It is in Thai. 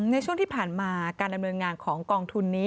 ในช่วงที่ผ่านมาการดำเนินงานของกองทุนนี้